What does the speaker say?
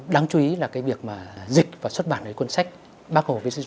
đáng chú ý là việc dịch và xuất bản những cuốn sách bác hồ viết